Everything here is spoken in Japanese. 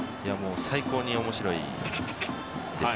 最高に面白いです。